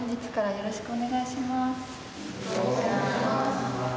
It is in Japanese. よろしくお願いします。